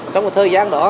trong một thời gian đó